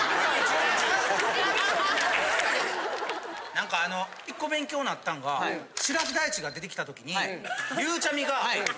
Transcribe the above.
なんかあの１個勉強になったんがシラス台地が出てきた時にゆうちゃみが。